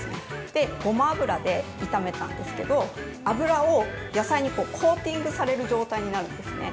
で、ごま油で炒めたんですけど、油を野菜にコーティングされる状態になるんですね